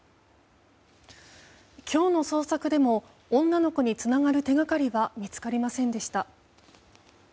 今日の捜索でも女の子につながる手がかりは見つかりませんでした。